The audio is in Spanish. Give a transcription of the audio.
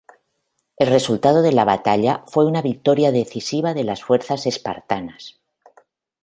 El resultado de la batalla fue una victoria decisiva de las fuerzas espartanas.